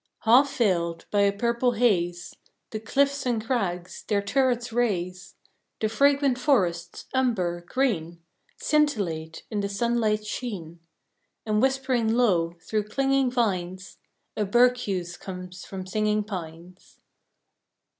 Half veiled by a purple haze, The cliffs and crags, their turrets raise, The fragrant forests, umber, green, Scintillate in the sunlight's sheen, And whispering low, through clinging vines, A berceuse comes from singing pines.